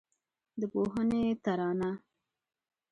د پوهنې ترانه